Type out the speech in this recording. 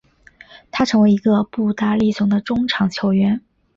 他成为一个步大力雄的中场球员。